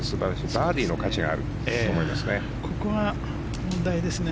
バーディーの価値があると思いますね。